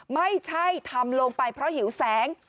ไม่ใช่ทำลงไปเพราะหิวแสง